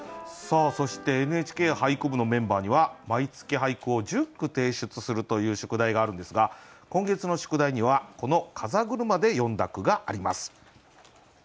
そして「ＮＨＫ俳句部」のメンバーには毎月俳句を１０句提出するという宿題があるんですが今月の宿題にはこの「風車」で詠んだ句があります。